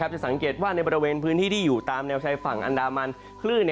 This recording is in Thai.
จะสังเกตว่าในบริเวณพื้นที่ที่อยู่ตามแนวชายฝั่งอันดามันคลื่น